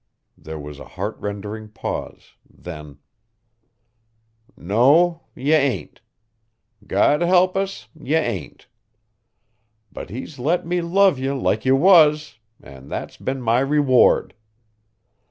There was a heartrending pause, then: "No, ye ain't! God help us, ye ain't! But He's let me love ye like ye was an' that's been my reward."